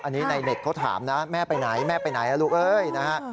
อันนี้ในเน็ตเขาถามนะแม่ไปไหนแม่ไปไหนนะลูกเอ้ยนะฮะ